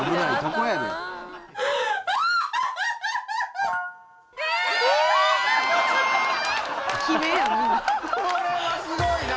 これはすごいな！